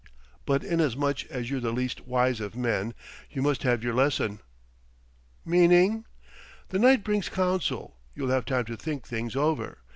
But inasmuch as you're the least wise of men, you must have your lesson." "Meaning ?" "The night brings counsel: you'll have time to think things over.